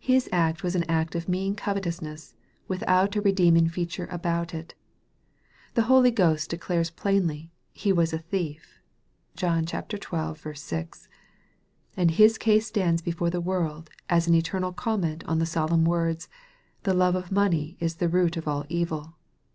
His act was an act of mean covetousness, without a redeeming feature about it. The Holy Ghost declares plainly " he was a thief." (John xii 6.) And his case stands before the world as an eternal comment on the solemn words, " the love of money is the root of all evil."